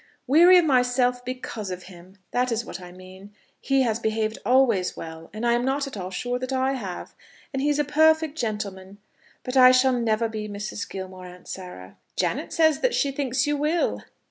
"Weary of myself because of him that is what I mean. He has behaved always well, and I am not at all sure that I have. And he is a perfect gentleman. But I shall never be Mrs. Gilmore, Aunt Sarah." "Janet says that she thinks you will."